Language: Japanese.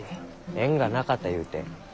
縁がなかったゆうて？